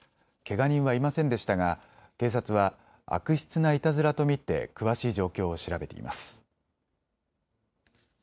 けが人はいませんでしたが警察は悪質ないたずらと見て詳しい状況を調べています。